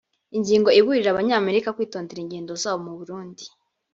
Ingingo iburira abanyamerika kwitondera ingendo zabo mu Burundi